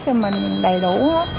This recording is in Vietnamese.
cho mình đầy đủ